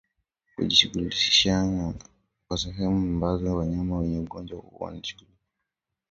kujisugulia katika sehemu ambazo wanyama wenye ugonjwa huu walijisugulia pia wanaweza kuupata wanapolala